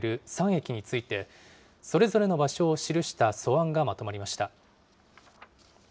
３駅について、それぞれの場所を記した素案がまとまりました。